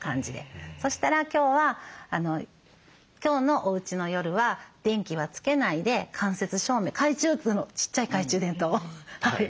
そしたら今日は今日のおうちの夜は電気はつけないで間接照明ちっちゃい懐中電灯